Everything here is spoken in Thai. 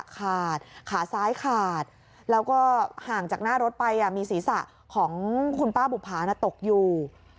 ข้าของคุณป้าบุภาน่ะตกอยู่